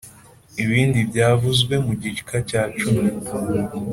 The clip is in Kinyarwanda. Ibindi byavuzwe mu gika cya cumi